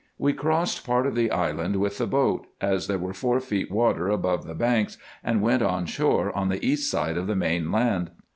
We crossed part of the island with the boat, as there were four feet water above the banks, and went on shore on the east side of the main land.